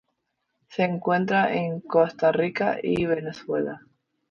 Se encuentra en Costa Rica y Venezuela.